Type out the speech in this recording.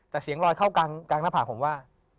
แต่เสียงลอยเข้ากลางหน้าผากผมว่า